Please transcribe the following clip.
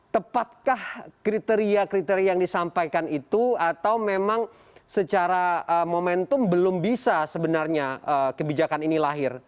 tepatkah kriteria kriteria yang disampaikan itu atau memang secara momentum belum bisa sebenarnya kebijakan ini lahir